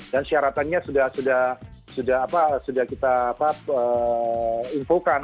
dan syaratannya sudah kita infokan